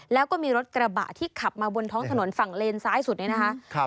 แล้วก็มีรถกระบะที่ขับมาบนท้องถนนฝั่งเลนซ้ายสุดนี้นะคะ